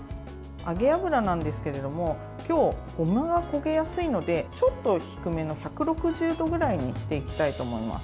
揚げ油なんですけれども今日、ごまが焦げやすいのでちょっと低めの１６０度くらいにしていきたいと思います。